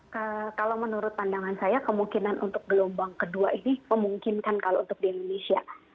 kalau menurut pandangan saya kemungkinan untuk gelombang kedua ini memungkinkan kalau untuk di indonesia